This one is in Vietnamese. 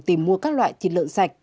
tìm mua các loại thịt lợn sạch